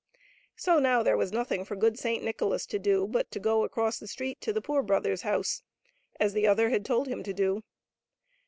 So now there was nothing for good Saint Nicholas to do but to go across the street to the poor brother's house, as the other had told him to do.